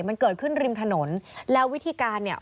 มันเกิดขึ้นริมถนนแล้ววิธีการเนี่ย